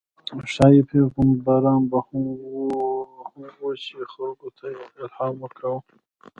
ښايي پیغمبران به هم وو، چې خلکو ته یې الهام ورکاوه.